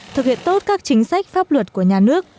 thực hiện tốt các chính sách pháp luật của nhà nước